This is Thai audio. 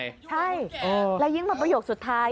ใช่แล้วยิ่งมาประโยคสุดท้าย